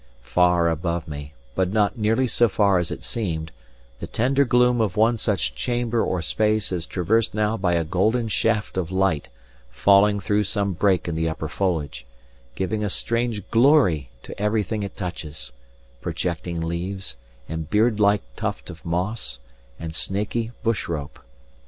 Far above me, but not nearly so far as it seemed, the tender gloom of one such chamber or space is traversed now by a golden shaft of light falling through some break in the upper foliage, giving a strange glory to everything it touches projecting leaves, and beard like tuft of moss, and snaky bush rope.